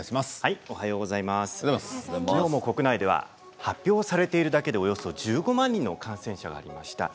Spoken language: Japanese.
昨日も国内では発表されているだけでおよそ１５万人の感染者がいました。